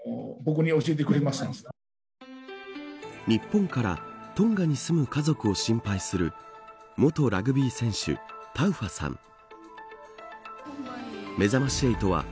日本からトンガに住む家族を心配する元ラグビー選手、タウファさん。